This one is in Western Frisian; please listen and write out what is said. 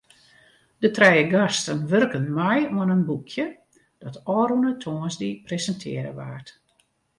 De trije gasten wurken mei oan in boekje dat ôfrûne tongersdei presintearre waard.